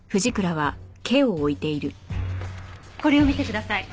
これを見てください。